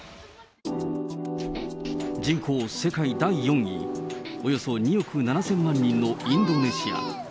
人口世界第４位、およそ２億７０００万人のインドネシア。